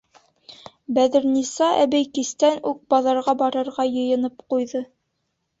Бәҙерниса әбей кистән үк баҙарға барырға йыйынып ҡуйҙы.